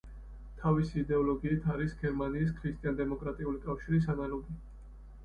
თავისი იდეოლოგიით არის გერმანიის ქრისტიან-დემოკრატიული კავშირის ანალოგი.